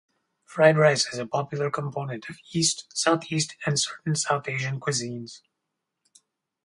Fried rice is a popular component of East, Southeast and certain South Asian cuisines.